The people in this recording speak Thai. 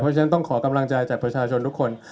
เพราะฉะนั้นต้องขอกำลังใจจากประชาชนทุกคน